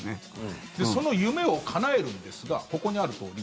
その夢をかなえるんですがここにあるとおり